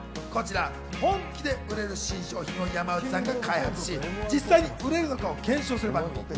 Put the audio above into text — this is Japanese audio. こちら本気で売れる新商品を山内さんが開発し、実際に売れるのかを検証する番組。